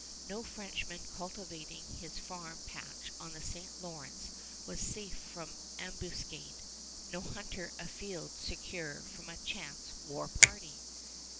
No Frenchman cultivating his farm patch on the St. Lawrence was safe from ambuscade; no hunter afield secure from a chance war party.